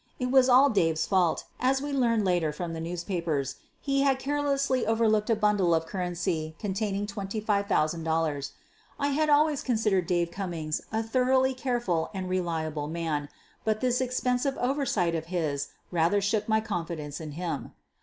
It was all Dave's fault, as we learned later from the news papers. He had carelessly overlooked a bundle of currency containing $25,000. I had always consid ered Dave Cummings a thoroughly careful and re liable man, but this expensive oversight of his rather shook my confidence in him.